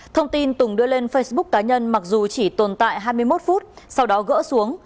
thông tin tùng đưa lên facebook cá nhân mặc dù chỉ tồn tại hai mươi một phút sau đó gỡ xuống